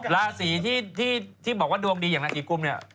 ราศีที่บอกว่าดวงดีอย่างนางจีกุมเนี่ย